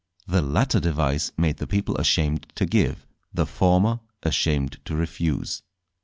The latter device made the people ashamed to give, the former ashamed to refuse.